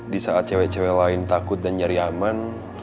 di saat cewek cewek lain takut dan nyari aman